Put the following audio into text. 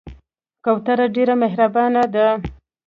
کوتره ډېر مهربانه ده.